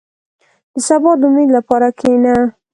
• د سبا د امید لپاره کښېنه.